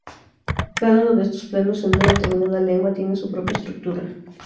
Cada uno de estos planos, en una determinada lengua, tiene su propia estructura.